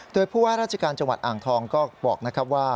โดยผู้ว่าราชการจังหวัดอ่างทองก็บอกนะครับว่า